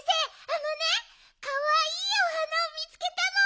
あのねかわいいお花をみつけたの。